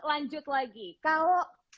lanjut lagi kalau